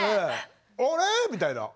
あれ⁉みたいな。